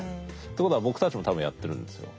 ということは僕たちも多分やってるんですよ。